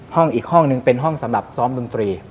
ห้องอีกห้องหนึ่งเป็นห้องสำหรับซ้อมดนตรี